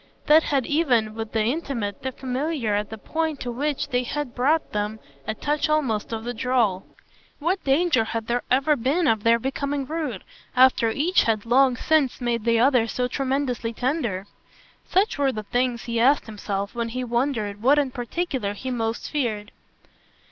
That had even, with the intimate, the familiar at the point to which they had brought them, a touch almost of the droll. What danger had there ever been of their becoming rude after each had long since made the other so tremendously tender? Such were the things he asked himself when he wondered what in particular he most feared.